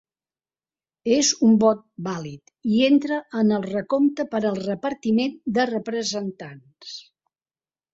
És un vot vàlid i entra en el recompte per al repartiment de representants.